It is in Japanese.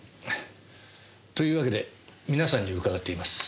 というわけで皆さんに伺っています。